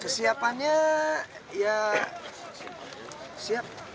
kesiapannya ya siap